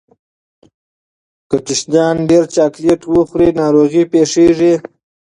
که ماشومان ډیر چاکلېټ وخوري، ناروغي پېښېږي.